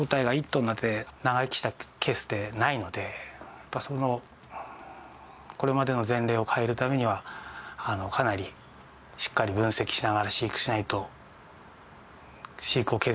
やっぱそのこれまでの前例を変えるためにはかなりしっかり分析しながら飼育しないと。